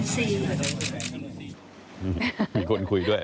ทุกคนคุยด้วย